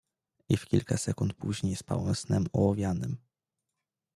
"I w kilka sekund później spałem snem ołowianym."